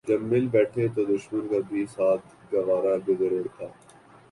جب مل بیٹھے تو دشمن کا بھی ساتھ گوارا گزرے تھا